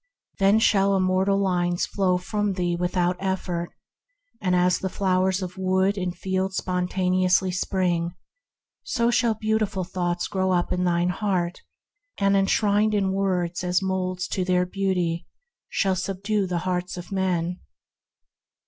Then shall immortal lines flow from thee without effort, and, as the flowers of wood and field spontaneously spring, so shall beautiful thoughts grow up in thine heart and, enshrined in words as moulds to their beauty, shall subdue the hearts of men.